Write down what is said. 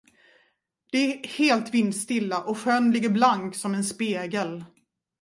Det är helt vindstilla och sjön ligger blank som en spegel.